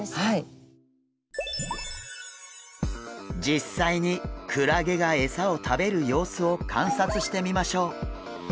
実際にクラゲがエサを食べる様子を観察してみましょう。